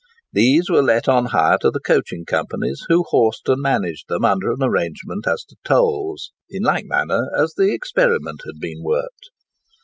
These were let on hire to the coaching companies, who horsed and managed them under an arrangement as to tolls, in like manner as the "Experiment" had been worked.